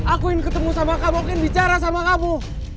aku ingin ketemu sama kamu ingin bicara sama kamu